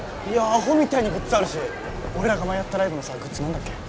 アホみたいにグッズあるし俺らが前やったライブのさグッズなんだっけ？